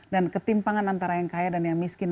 dan ketimpangan antara yang kaya dan yang miskin